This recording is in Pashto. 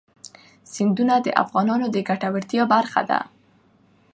سیندونه د افغانانو د ګټورتیا برخه ده.